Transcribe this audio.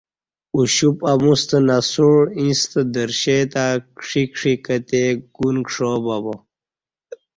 اُوشپ امُوستہ نسوع ایݩستہ درشے تہ کݜی کݜی کہ تی، گون کشا بہ با